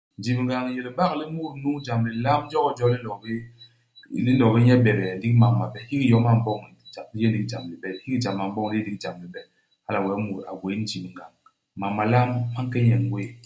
Njibngañ i yé libak li mut nu jam lilam jokijo li nlo bé li nlo bé nye beybey, ndigi mam mabe. Hiki yom a m'boñ, jam li yé li yé ndigi jam libe. Hiki jam a m'boñ li yé ndigi jam libe. Hala wee mut a gwéé njibngañ. Mam malam ma nke nye ngwéé.